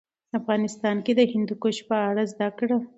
افغانستان کې د هندوکش په اړه زده کړه.